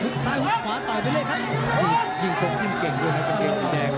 หุบซ้ายหุบขวาต่อไปเลยครับ